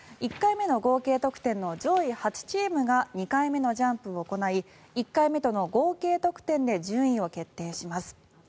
１回目の合計得点の上位８チームが２回目のジャンプを行い１回目との合計得点で順位を決定します。